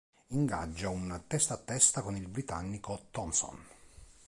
Ingaggia un testa a testa con il britannico Thompson.